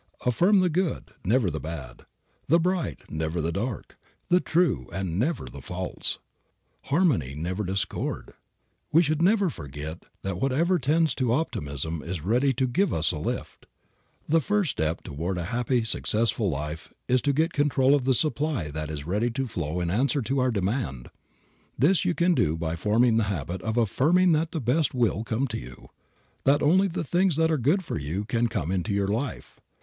Affirm the good, never the bad; the bright, never the dark; the true, and never the false; harmony, never discord. We should never forget that whatever tends to optimism is ready to "give us a lift." The first step toward a happy, successful life is to get control of the supply that is ready to flow in answer to our demand. This you can do by forming the habit of affirming that the best will come to you, that only the things that are good for you can come into your life.